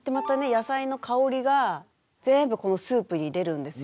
野菜の香りが全部このスープに出るんですよ。